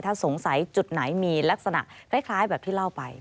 ถ้าสงสัยจุดไหนมีลักษณะคล้ายแบบที่เล่าไป